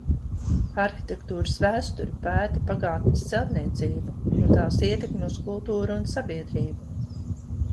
Arhitektūras vēsture pēta pagātnes celtniecību un tās ietekmi uz kultūru un sabiedrību.